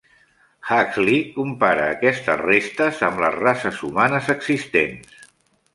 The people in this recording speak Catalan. Huxley compara aquestes restes amb les races humanes existents.